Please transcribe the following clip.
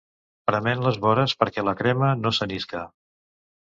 Prement les vores perquè la crema no se n’isca.